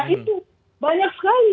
itu banyak sekali